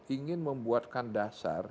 ingin membuatkan dasar